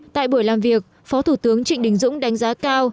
tại buổi làm việc phó thủ tướng trịnh đình dũng đánh giá cao